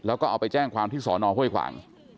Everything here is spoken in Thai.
แล้วก็เอาไปแจ้งความที่สอนอห้วยขวาง